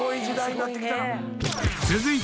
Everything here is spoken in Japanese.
［続いて］